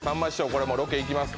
これもうロケ行きます